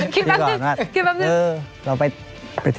คิดก่อนคิดแปปนึก